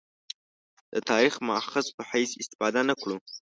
د تاریخي مأخذ په حیث استفاده نه کړو.